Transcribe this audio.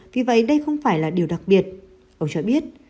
vì vậy đây không phải là điều đặc biệt ông cho biết